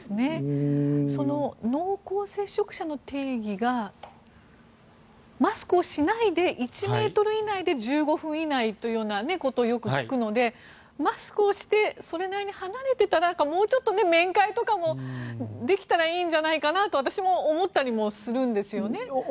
その濃厚接触者の定義がマスクをしないで１ｍ以内で１５分以内ということをよく聞くので、マスクをしてそれなりに離れていたらもうちょっと面会とかもできたらいいんじゃないかなと私も思ったりもするんですよね。